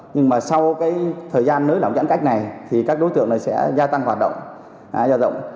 nhưng mà sau thời gian nới lỏng giãn cách này các đối tượng sẽ gia tăng hoạt động